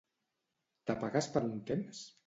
T'apagues per un temps?